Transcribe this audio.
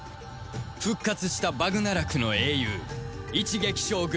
復活したバグナラクの英雄一撃将軍